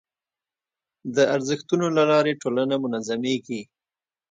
د ارزښتونو له لارې ټولنه منظمېږي.